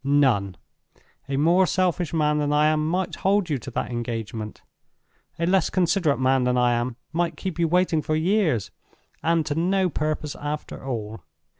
None! A more selfish man than I am might hold you to that engagement; a less considerate man than I am might keep you waiting for years—and to no purpose after all.